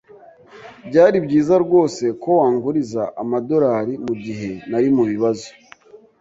Byari byiza rwose ko wanguriza amadorari mugihe nari mubibazo.